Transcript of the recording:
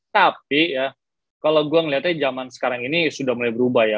tapi ya kalau gue ngeliatnya zaman sekarang ini sudah mulai berubah ya